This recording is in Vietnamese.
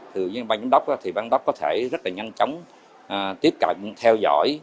bởi vì ban giám đốc có thể rất nhanh chóng tiếp cận theo dõi